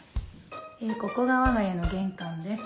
ここが我が家の玄関です。